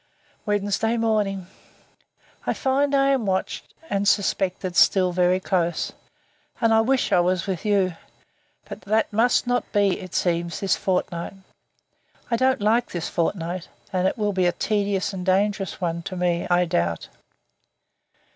Wednesday morning. I find I am watched and suspected still very close; and I wish I was with you; but that must not be, it seems, this fortnight. I don't like this fortnight; and it will be a tedious and a dangerous one to me, I doubt.